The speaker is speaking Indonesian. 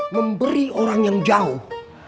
memberi orang yang jauh